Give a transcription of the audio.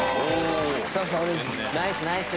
ナイスナイス。